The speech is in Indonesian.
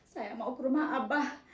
saya mau ke rumah abah